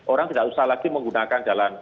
orang tidak usah lagi menggunakan jalan